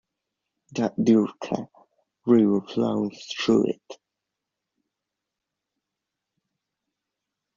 The Drwęca river flows through it.